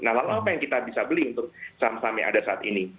nah lalu apa yang kita bisa beli untuk saham saham yang ada saat ini